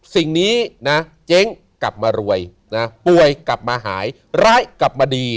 สิ่งนี้นะเจ๊งกลับมารวยนะป่วยกลับมาหายร้ายกลับมาดี